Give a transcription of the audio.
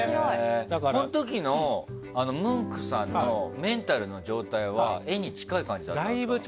その時のムンクさんのメンタルの状態は絵に近い感じだったんですか。